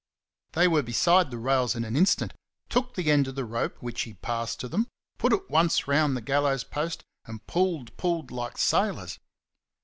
They were beside the rails in an instant, took the end of the rope which he passed to them, put it once round the gallows post, and pulled pulled like sailors.